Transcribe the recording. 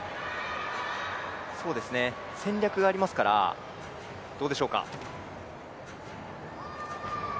戦略がありますから、どうでしょうか。